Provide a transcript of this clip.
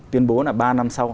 tuyên bố là ba năm sau